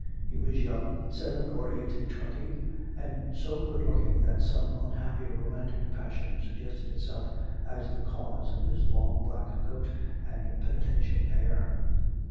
He was young, seven or eight and twenty, and so good looking that some unhappy romantic passion suggested itself as the cause of his long black coat and penitential air.